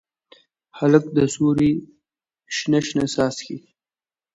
هلک د سیورو شنه، شنه څاڅکي